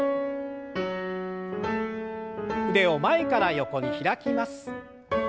腕を前から横に開きます。